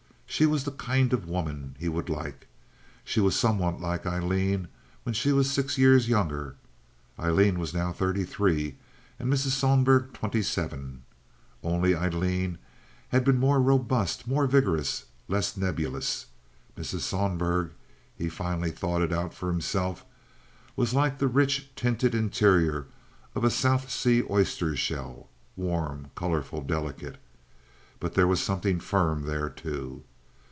She was the kind of woman he would like. She was somewhat like Aileen when she was six years younger (Aileen was now thirty three, and Mrs. Sohlberg twenty seven), only Aileen had always been more robust, more vigorous, less nebulous. Mrs. Sohlberg (he finally thought it out for himself) was like the rich tinted interior of a South Sea oyster shell—warm, colorful, delicate. But there was something firm there, too.